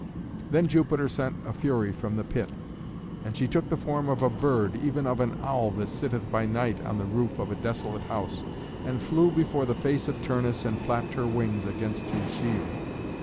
Then Jupiter sent a Fury from the pit. And she took the form of a bird, even of an owl that sitteth by night on the roof of a desolate house, and flew before the face of Turnus and flapped her wings against his shield.